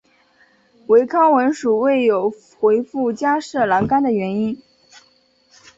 唯康文署未有回覆加设栏杆的原因。